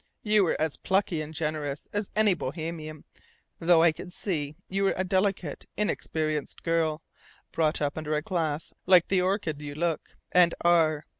You were as plucky and generous as any Bohemian, though I could see you were a delicate, inexperienced girl, brought up under glass like the orchid you look and are.